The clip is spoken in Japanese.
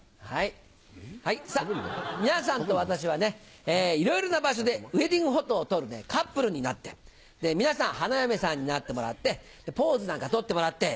さぁ皆さんと私はねいろいろな場所でウエディングフォトを撮るカップルになって皆さん花嫁さんになってもらってポーズなんか取ってもらって。